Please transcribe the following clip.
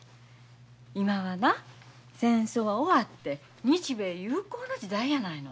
今はな戦争は終わって日米友好の時代やないの。